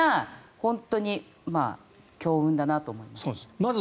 本当に強運だなと思います。